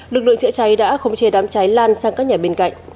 lực lượng chữa cháy đã không chê đám cháy lan sang các nhà bên cạnh